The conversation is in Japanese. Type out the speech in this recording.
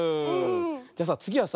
じゃあさつぎはさ